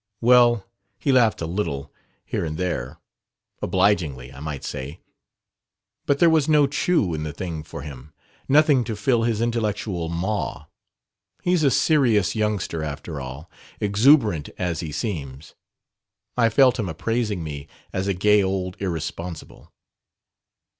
Well, he laughed a little, here and there, obligingly, I might say. But there was no 'chew' in the thing for him, nothing to fill his intellectual maw. He's a serious youngster, after all, exuberant as he seems. I felt him appraising me as a gay old irresponsible...."